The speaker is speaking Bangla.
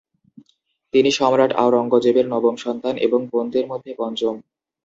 তিনি সম্রাট আওরঙ্গজেবের নবম সন্তান এবং বোনদের মধ্যে পঞ্চম।